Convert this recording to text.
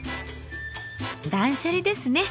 断捨離ですね。